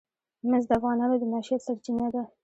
مس د افغانانو د معیشت سرچینه ده.